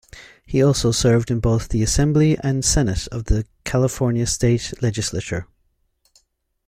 He also served in both the Assembly and Senate of the California State Legislature.